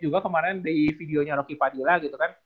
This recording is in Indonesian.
juga kemarin di videonya rocky padila gitu kan